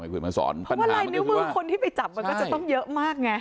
กล่องในนิ้วมือคนที่ไปจับมันก็จะต้องเยอะมากไง